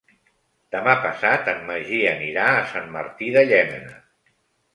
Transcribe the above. Demà passat en Magí anirà a Sant Martí de Llémena.